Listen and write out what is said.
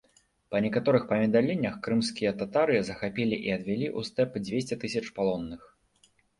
Па некаторых паведамленнях, крымскія татары захапілі і адвялі ў стэп дзвесце тысяч палонных.